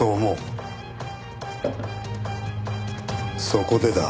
そこでだ